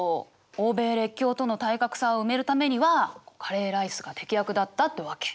欧米列強との体格差を埋めるためにはカレーライスが適役だったってわけ。